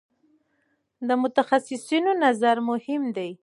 د متخصصینو نظر مهم دی.